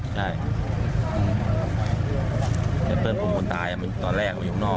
ใช่มันเปิดปุ่มตายตอนแรกมันอยู่ข้างนอก